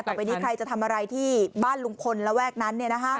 ต่อไปนี้ใครจะทำอะไรที่บ้านลุงพลระแวกนั้น